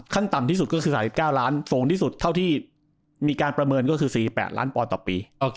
ต่ำที่สุดก็คือ๓๙ล้านสูงที่สุดเท่าที่มีการประเมินก็คือ๔๘ล้านปอนด์ต่อปี